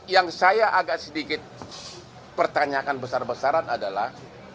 yang saya agak sedikit pertanyakan besar besaran adalah